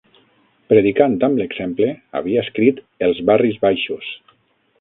Predicant amb l'exemple, havia escrit Els barris baixos